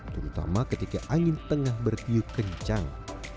terutama ketika angin tengah bertiup kencang